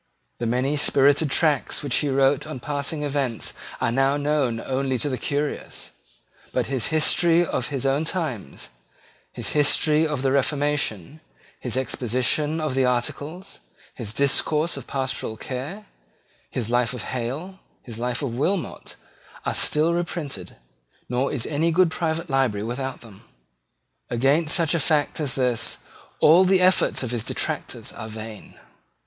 The many spirited tracts which he wrote on passing events are now known only to the curious: but his History of his own Times, his History of the Reformation, his Exposition of the Articles, his Discourse of Pastoral Care, his Life of Hale, his Life of Wilmot, are still reprinted, nor is any good private library without them. Against such a fact as this all the efforts of detractors are vain.